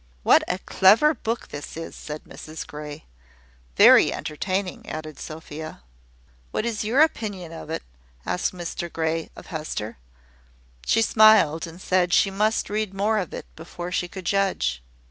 "What a clever book this is!" said Mrs Grey. "Very entertaining," added Sophia. "What is your opinion of it?" asked Mr Grey of Hester. She smiled, and said she must read more of it before she could judge.